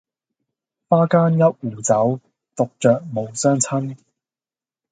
花間一壺酒，獨酌無相親